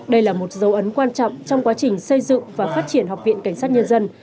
đây là một dấu ấn quan trọng trong quá trình xây dựng và phát triển học viện cảnh sát nhân dân